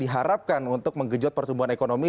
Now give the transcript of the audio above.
diharapkan untuk menggejot pertumbuhan ekonomi